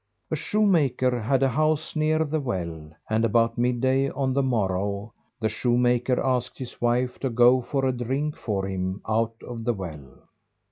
A shoemaker had a house near the well, and about mid day on the morrow, the shoemaker asked his wife to go for a drink for him out of the well.